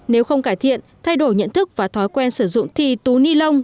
nếu không cải thiện thay đổi nhận thức và thói quen sử dụng thì túi ni lông